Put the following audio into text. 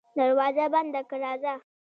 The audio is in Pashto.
دروازه بنده که راځه.